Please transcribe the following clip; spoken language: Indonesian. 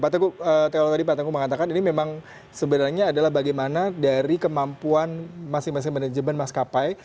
pak tengku tadi pak tengku mengatakan ini memang sebenarnya adalah bagaimana dari kemampuan masing masing manajemen mas kapai